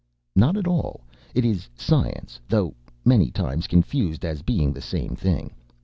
"Not at all, it is science, though many times confused as being the same thing.